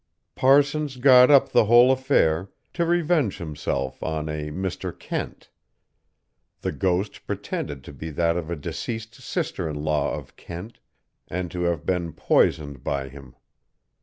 Parsons got up the whole affair, to revenge himself on a Mr. Kent. The ghost pretended to be that of a deceased sister in law of Kent, and to have been poisoned by him.